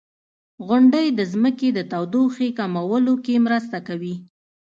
• غونډۍ د ځمکې د تودوخې کمولو کې مرسته کوي.